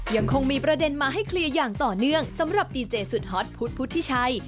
ยังคงมีประเด็นมาให้เคลียร์อย่างต่อเนื่องสำหรับดีเจสุดฮอตพุทธพุทธิชัย